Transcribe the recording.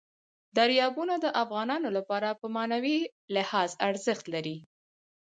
دریابونه د افغانانو لپاره په معنوي لحاظ ارزښت لري.